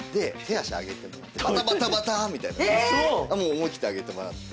思い切って上げてもらって。